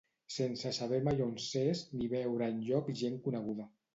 Sense saber mai on s'és, ni veure enlloc gent coneguda.